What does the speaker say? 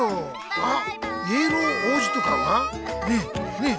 あ「イエロー王子」とかは？ねえねえ！